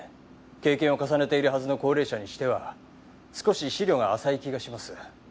経験を重ねているはずの高齢者にしては少し思慮が浅い気がします。